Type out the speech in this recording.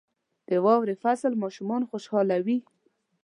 • د واورې فصل ماشومان خوشحالوي.